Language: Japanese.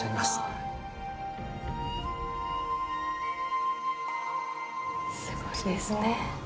すごいですね。